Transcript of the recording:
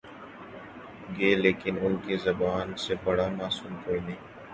گے لیکن ان کی زبانی ان سے بڑا معصوم کوئی نہیں۔